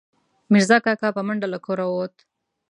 میرزا کاکا، په منډه له کوره ووت